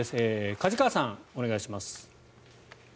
梶川さん、お願いします。